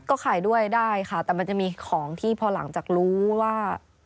ก็ขายด้วยได้ค่ะแต่มันจะมีของที่พอหลังจากรู้ว่า